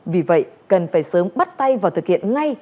vì vậy cần phải sớm bắt tay vào thực hiện ngay